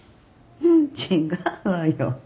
違うわよ。